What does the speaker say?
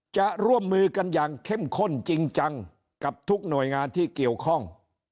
จะร่วมมือกันอย่างเข้มข้นจริงจังกับทุกหน่วยงานที่เกี่ยวข้อง